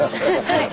はい。